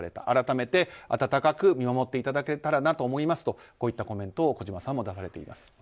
改めて、温かく見守っていただけたらなと思いますとコメントを出されています。